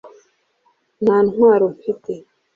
nta ntwaro mfite